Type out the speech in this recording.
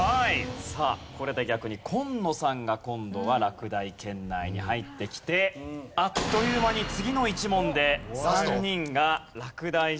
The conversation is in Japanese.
さあこれで逆に紺野さんが今度は落第圏内に入ってきてあっという間に次の１問で３人が落第します。